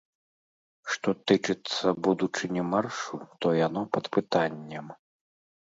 Што тычыцца будучыні маршу, то яно пад пытаннем.